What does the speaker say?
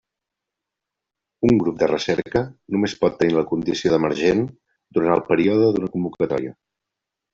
Un grup de recerca només pot tenir la condició d'emergent durant el període d'una convocatòria.